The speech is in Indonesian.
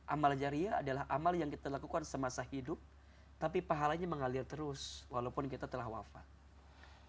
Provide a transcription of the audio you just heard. amal jariah adalah amal yang kita lakukan semasa hidup tapi pahalanya mengalir terus walaupun kita telah wafat